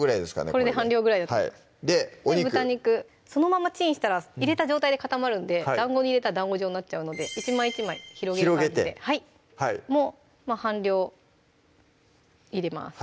これででお肉そのままチンしたら入れた状態で固まるんでだんごに入れたらだんご状になっちゃうので１枚１枚広げる感じでまぁ半量いれます